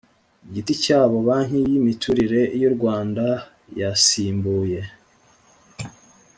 giti cyabo banki y imiturire y u Rwanda yasimbuye